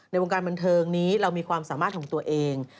ในวงการบันเทิงนี้เรามีความสามารถของตัวเอง